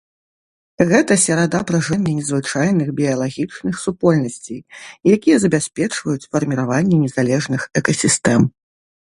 Гэта серада пражывання незвычайных біялагічных супольнасцей, якія забяспечваюць фарміраванне незалежных экасістэм.